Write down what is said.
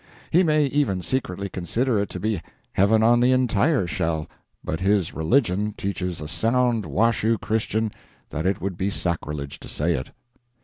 He may even secretly consider it to be Heaven on the entire shell, but his religion teaches a sound Washoe Christian that it would be sacrilege to say it.